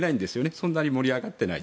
そんなに盛り上がっていない。